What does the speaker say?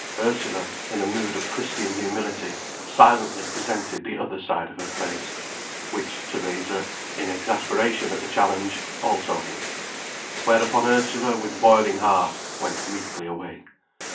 Ursula, in a mood of Christian humility, silently presented the other side of her face. Which Theresa, in exasperation at the challenge, also hit. Whereupon Ursula, with boiling heart, went meekly away.